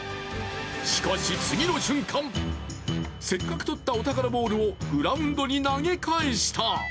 しかし、次の瞬間、せっかくとったお宝ボールをグラウンドに投げ返した。